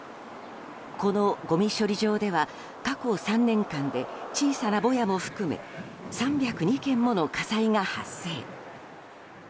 このごみ処理場では過去３年間で小さなぼやも含め３０２件もの火災が発生。